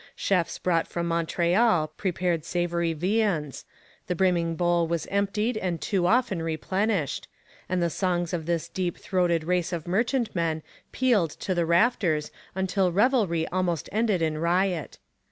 Chefs brought from Montreal prepared savoury viands; the brimming bowl was emptied and too often replenished; and the songs of this deep throated race of merchantmen pealed to the rafters until revelry almost ended in riot.